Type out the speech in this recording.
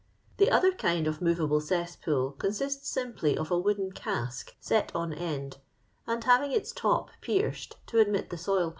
" The other kind of movable cesspool con sists sim.ply of a wooden cask set on end, and having its top pierced to admit the soil pipe.